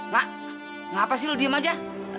nak ngapasih lu diam aja